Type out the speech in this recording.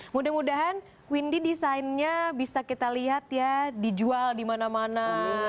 mudah mudahan windy desainnya bisa kita lihat ya dijual di mana mana